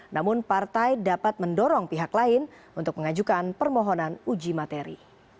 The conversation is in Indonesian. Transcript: namun partai dapat mendorong pihak lain untuk mengajukan permohonan uji materi